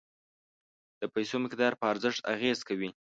د پیسو مقدار په ارزښت اغیز کوي.